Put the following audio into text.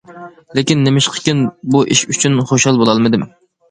لېكىن نېمىشقىكىن، بۇ ئىش ئۈچۈن خۇشال بولالمىدىم.